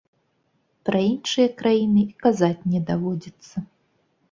Пра іншыя краіны і казаць не даводзіцца.